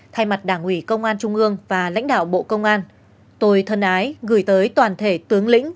thay mặt đảng ủy công an trung ương và lãnh đạo bộ công an tôi thân ái gửi tới toàn thể tướng lĩnh